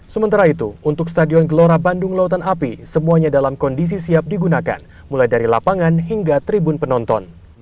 sementara itu untuk stadion gelora bandung lautan api semuanya dalam kondisi siap digunakan mulai dari lapangan hingga tribun penonton